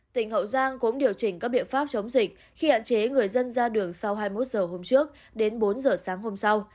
tỉnh hậu giang cũng điều chỉnh các biện pháp chống dịch khi hạn chế người dân ra đường sau hai mươi một h hôm trước đến bốn h sáng hôm sau